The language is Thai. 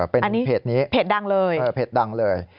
เป็นเพจนี้เป็นเพจดังเลย